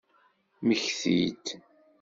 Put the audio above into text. Mmekti-d!